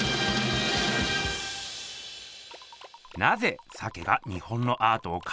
なぜ鮭が日本のアートを変えたのか。